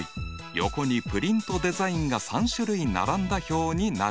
横にプリントデザインが３種類並んだ表になるね。